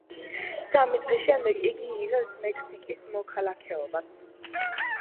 სამი წლის შემდეგ იგი იღებს მექსიკის მოქალაქეობას.